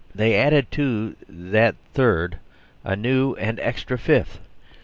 They added to that third a new and extra fifth.